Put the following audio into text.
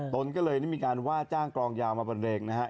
ตนก็เลยได้มีการว่าจ้างกลองยาวมาบันเลงนะฮะ